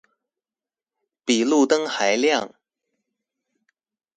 比路燈還亮